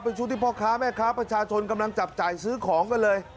เป็นชุดที่พ่อค้าแม่ค้าประชาชนกำลังจับจ่ายซื้อของกันเลย